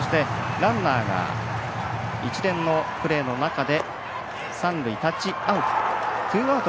ランナーが一連のプレーの中で三塁、タッチアウト。